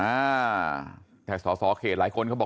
อ่าแต่สอสอเขตหลายคนเขาบอก